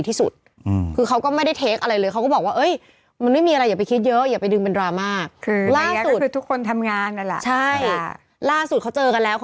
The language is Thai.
มันคือเป็นวันของคนเพราะว่าธริบสามารถนะเอเช่นแบบ